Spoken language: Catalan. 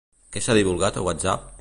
Què s'ha divulgat a Whatsapp?